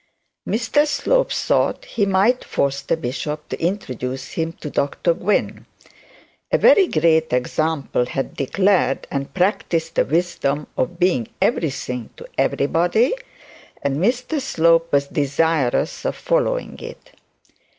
Mr Slope thought he might force the bishop to introduce him to Dr Gwynne. A very great example had declared and practised the wisdom of being everything to everybody, and Mr Slope was desirous of following it.